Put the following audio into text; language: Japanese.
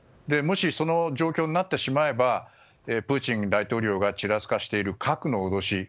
もし、その状況になってしまえばプーチン大統領がちらつかせている、核の脅し。